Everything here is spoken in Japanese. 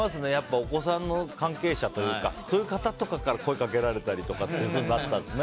お子さんの関係者というかそういう方からとか声掛けられるようになったんですね。